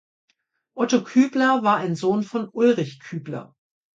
Otto Kübler war ein Sohn von Ulrich Kübler.